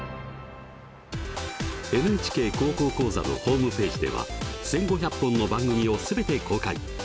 「ＮＨＫ高校講座」のホームページでは１，５００本の番組を全て公開。